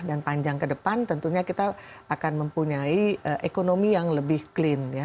dan panjang ke depan tentunya kita akan mempunyai ekonomi yang lebih clean ya